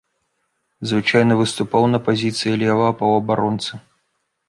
Звычайна выступаў на пазіцыі левага паўабаронцы.